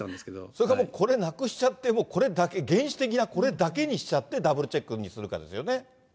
それか、これなくして、もうこれだけ、原始的なこれだけにしちゃって、ダブルチェックにするかですよね。